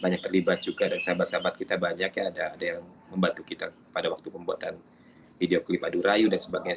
banyak terlibat juga dan sahabat sahabat kita banyak ya ada yang membantu kita pada waktu pembuatan video klipadu rayu dan sebagainya